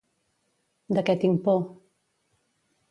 ¿De què tinc por?